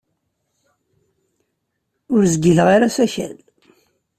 Ur zgileɣ ara asakal.